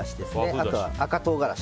あとは赤唐辛子